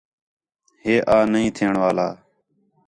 ہے آں نہی تھیݨ والا